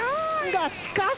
がしかし。